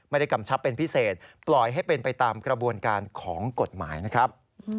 กำชับเป็นพิเศษปล่อยให้เป็นไปตามกระบวนการของกฎหมายนะครับ